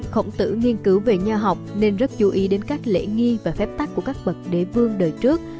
khổng tử nghiên cứu về nhà học nên rất chú ý đến các lễ nghi và phép tắc của các bậc đế vương đời trước